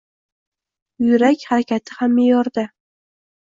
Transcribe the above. Yurak harakati ham me’yorida.